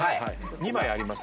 ２枚あります？